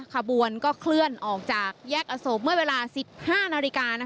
ขบวนก็เคลื่อนออกจากแยกอโศกเมื่อเวลา๑๕นาฬิกา